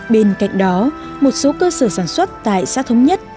bên cạnh đó một số cơ sở sản xuất tại xã thống nhất